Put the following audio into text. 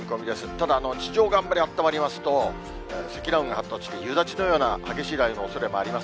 ただ、地上があんまりあったまりますと、積乱雲が発達して、夕立のような激しい雷雨のおそれもあります。